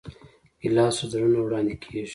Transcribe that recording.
ګیلاس له زړه نه وړاندې کېږي.